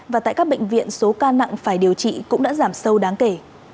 và tại các bệnh viện số ca nặng phải điều trị cũng đã giảm sâu đáng kể